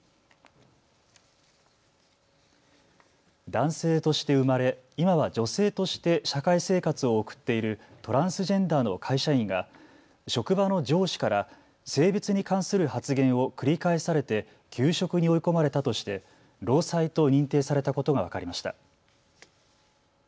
男性として生まれ、今は女性として社会生活を送っているトランスジェンダーの会社員が職場の上司から性別に関する発言を繰り返されて休職に追い込まれたとして労災と認定されたことが分かりました。